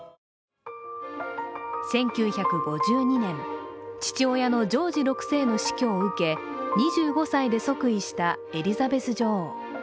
１９５２年、父親のジョージ６世の死去を受け、２５歳で即位したエリザベス女王。